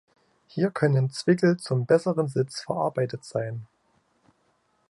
Hier können Zwickel zum besseren Sitz verarbeitet sein.